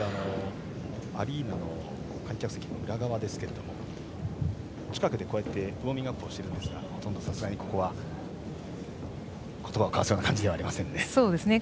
アリーナの観客席の裏側ですが近くでてウォーミングアップをしていますがさすがにここは言葉を交わすような感じではありませんね。